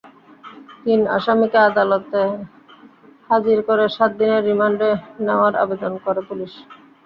তিন আসামিকে আদালতে হাজির করে সাত দিনের রিমান্ডে নেওয়ার আবেদন করে পুলিশ।